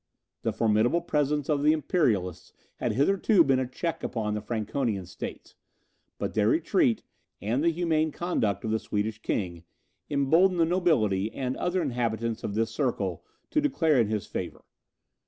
The formidable presence of the Imperialists had hitherto been a check upon the Franconian States; but their retreat, and the humane conduct of the Swedish king, emboldened the nobility and other inhabitants of this circle to declare in his favour.